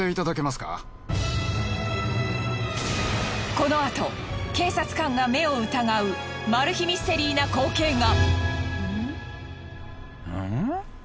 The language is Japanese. このあと警察官が目を疑うマル秘ミステリーな光景が！